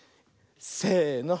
せの。